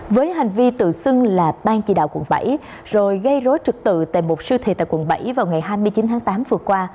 với hành vi tự xưng là ban chỉ đạo quận bảy rồi gây rối trực tự tại một siêu thị tại quận bảy vào ngày hai mươi chín tháng tám vừa qua